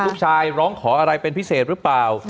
ร้องขออะไรเป็นพิเศษหรือเปล่า